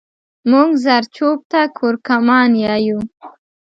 مونږ زرچوب ته کورکمان يايو